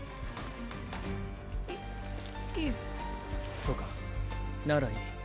そうかならいい。